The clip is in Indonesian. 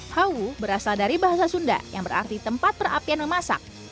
hawu berasal dari bahasa sunda yang berarti tempat perapian memasak